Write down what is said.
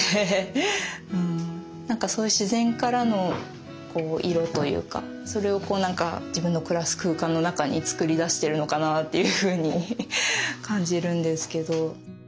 何かそういう自然からの色というかそれを何か自分の暮らす空間の中に作り出してるのかなっていうふうに感じるんですけど。